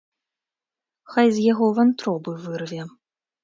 Хай з яго вантробы вырве.